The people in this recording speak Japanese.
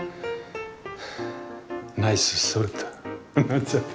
ナイスソルトなんちゃって。